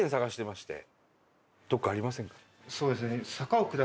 そうですね。